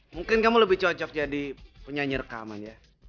mungkin kamu lebih cocok jadi penyanyi rekaman ya